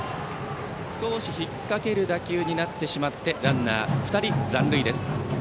少し引っ掛ける打球になってランナー２人残塁です。